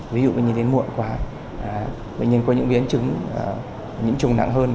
ví dụ bệnh nhân đến muộn quá bệnh nhân có những biến chứng nhiễm trùng nặng hơn